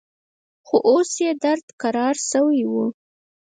خو اوس يې درد کرار سوى و.